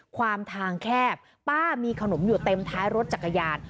ความทางแคบป้ามีขนมอยู่เต็มท้ายรถจักรยาน